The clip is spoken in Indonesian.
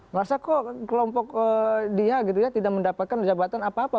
merasa kok kelompok dia gitu ya tidak mendapatkan jabatan apa apa